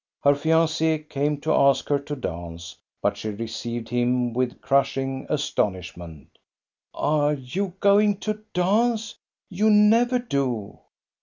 Her fianc^ came to ask her to dance, but she re ceived him with crushing astonishment " Are you going to dance? You never do